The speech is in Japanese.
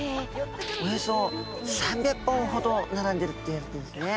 およそ３００本ほど並んでるっていわれてるんですね。